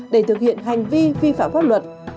để thực hiện hành vi vi phạm pháp luật